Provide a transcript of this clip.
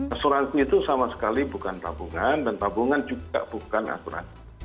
asuransi itu sama sekali bukan tabungan dan tabungan juga bukan asuransi